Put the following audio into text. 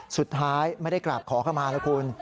สุดท้ายไม่ได้กราบขอเข้ามาแล้วคุณ